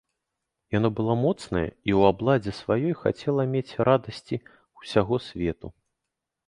Яно было моцнае і ў абладзе сваёй хацела мець радасці ўсяго свету.